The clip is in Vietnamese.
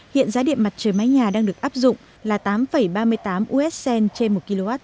hiện giá điện mặt trời mái nhà đang được áp dụng là tám ba mươi tám us cent trên một kwh